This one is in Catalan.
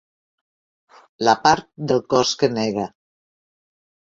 La part del cos que nega.